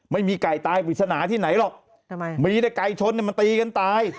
ไม่มีไก่ตายปริศนาที่ไหนหรอกทำไมมีแต่ไก่ชนเนี่ยมันตีกันตาย